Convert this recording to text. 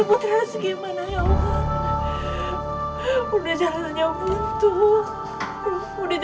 gue harus keluar gue harus keluar